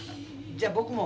じゃ僕も。